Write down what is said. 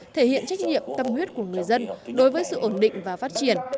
thể hiện trách nhiệm tâm huyết của người dân đối với sự ổn định và phát triển